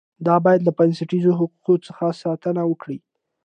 دا باید له بنسټیزو حقوقو څخه ساتنه وکړي.